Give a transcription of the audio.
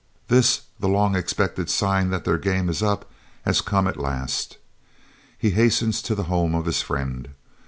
This, the long expected sign that their game is up, has come at last. He hastens to the home of his friend.